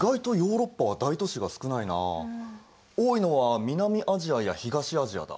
多いのは南アジアや東アジアだ。